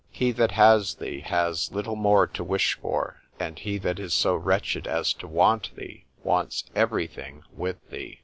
—He that has thee, has little more to wish for;—and he that is so wretched as to want thee,—wants every thing with thee.